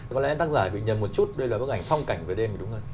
có lẽ tác giả bị nhầm một chút đây là bức ảnh phong cảnh về đêm và đúng không